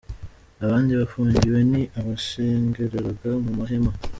Abandi bafungiwe ni abasengeraga mu mahema.